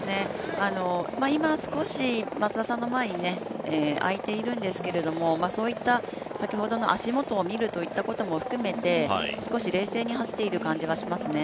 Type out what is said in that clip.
今少し、松田さんの前に開いているんですけれどもそういった先ほどの足元を見るといったことも含めて少し冷静に走っている感じはしますね。